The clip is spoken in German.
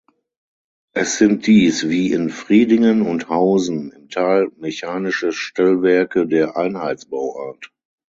Es sind dies wie in Fridingen und Hausen im Tal mechanische Stellwerke der Einheitsbauart.